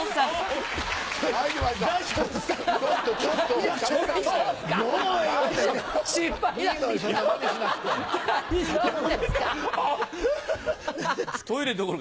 大丈夫ですか？